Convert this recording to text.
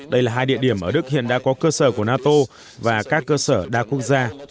đây là hai địa điểm ở đức hiện đã có cơ sở của nato và các cơ sở đa quốc gia